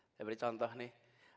saya beri contoh nih